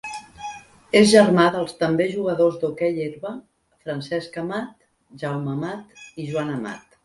És germà dels també jugadors d'hoquei herba Francesc Amat, Jaume Amat i Joan Amat.